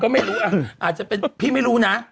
ก็ไม่รู้อาจจะเป็นพี่ไม่รู้นะ